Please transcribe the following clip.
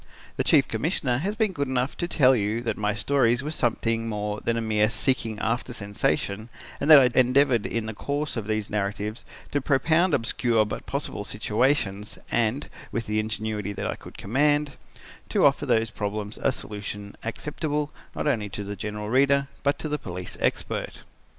The Chief Commissioner has been good enough to tell you that my stories were something more than a mere seeking after sensation, and that I endeavoured in the course of those narratives to propound obscure but possible situations, and, with the ingenuity that I could command, to offer to those problems a solution acceptable, not only to the general reader, but to the police expert.